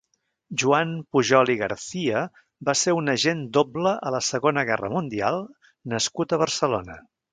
Joan Pujol i Garcia va ser un agent doble a la Segona Guerra Mundial nascut a Barcelona.